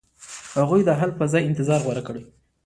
هغوی د حل په ځای انتظار غوره کړ.